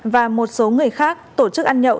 và một số người khác tổ chức ăn nhậu